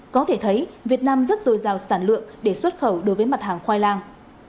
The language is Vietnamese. có thể thấy việt nam rất rồi rào sản lượng để xuất khẩu đối với mặt hàng khoai lang